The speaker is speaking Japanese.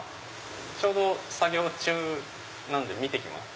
ちょうど作業中なんで見て行きますか？